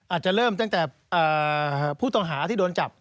อาจจะเริ่มตั้งแต่ผู้ต้องหาที่โดนจับ